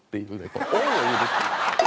こう恩を売るっていう。